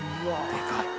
「でかい」